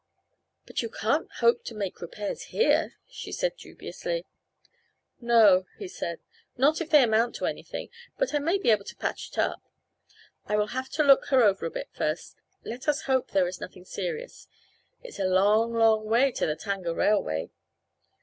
"But you can't hope to make repairs here," she said dubiously. "No," he said, "not if they amount to anything, but I may be able to patch it up. I will have to look her over a bit first. Let us hope there is nothing serious. It's a long, long way to the Tanga railway."